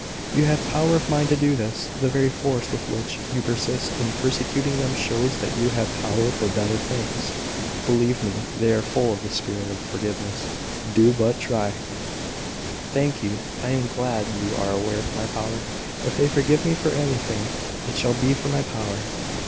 You have power of mind to do this: the very force with which you persist in persecuting them shows that you have power for better things. Believe me, they are full of the spirit of forgiveness. Do but try " "Thank you. I am glad you are aware of my power. If they forgive me for anything, it shall be for my power."